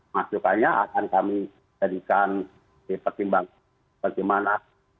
masukannya akan kami jadikan dipertimbangkan bagaimana